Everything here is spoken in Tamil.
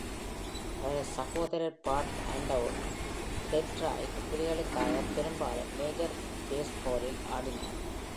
அவரது சகோதரர் பாட் அண்டர்வுட், டெட்ராய்ட் புலிகளுக்காக பெரும்பாலும் மேஜர் பேஸ்பாலில் ஆடினார்.